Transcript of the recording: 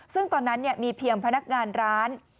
ซึ่งตอนนั้นมีเพียงพนักงานร้าน